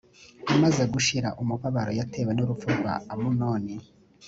amaze gushira umubabaro yatewe n urupfu rwa amunoni